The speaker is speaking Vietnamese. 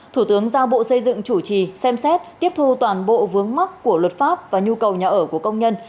thủ tướng giao bộ xây dựng chủ trì xem xét tiếp thu toàn bộ vướng mắc của luật pháp và nhu cầu nhà ở của công nhân